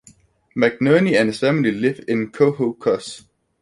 McNerney and his family live in Ho-Ho-Kus.